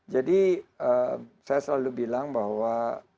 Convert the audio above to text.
jadi saya selalu bilang bahwa